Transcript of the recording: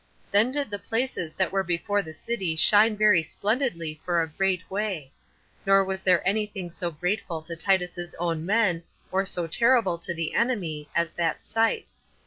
Then did the places that were before the city shine very splendidly for a great way; nor was there any thing so grateful to Titus's own men, or so terrible to the enemy, as that sight.